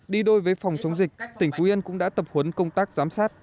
đi đôi với phòng chống dịch tỉnh phú yên cũng đã tập huấn công tác giám sát